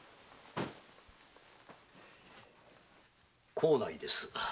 幸内です。